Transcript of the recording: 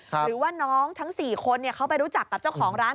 หรือว่าน้องทั้ง๔คนเขาไปรู้จักกับเจ้าของร้าน